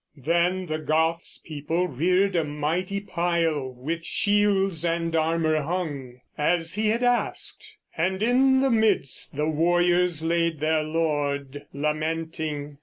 Then the Goth's people reared a mighty pile With shields and armour hung, as he had asked, And in the midst the warriors laid their lord, Lamenting.